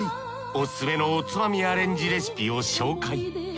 オススメのおつまみアレンジレシピを紹介。